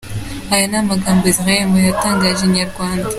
"Aya ni amagambo ya Israel Mbonyi yatangarije inyarwanda.